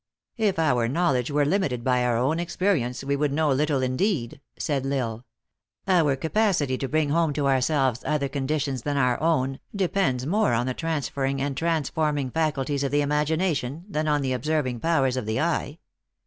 " If our knowledge were limited by our own expe rience, we would know little indeed," said L Isle. " Our capacity to bring home to ourselves other con ditions than our own, depends more on the transferring and transforming faculties of the imagination, than on the observing powers of the eye.